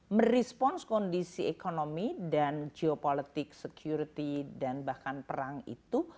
merespons kondisi ekonomi dan geopolitik security dan bahkan perang itu